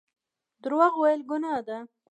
درواغ ویل ګناه ده